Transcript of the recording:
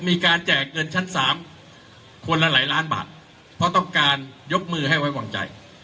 แจกเงินชั้นสามคนละหลายล้านบาทเพราะต้องการยกมือให้ไว้วางใจ